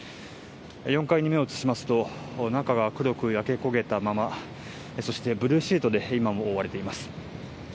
４階に目を移しますと、中が黒く焼け焦げたまま、そしてブルーシートで、今も覆われています。